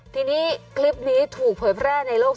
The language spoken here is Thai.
ทีนีคลิปนี้ถูกเผยแพร่